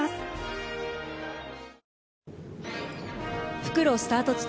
復路スタート地点